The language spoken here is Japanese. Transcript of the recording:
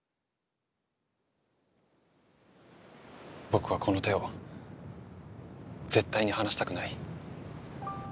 僕はこの手を絶対に離したくない。